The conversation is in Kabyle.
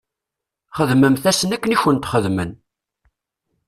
Xdmemt-asen akken i kent-xedmen.